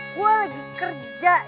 gue lagi kerja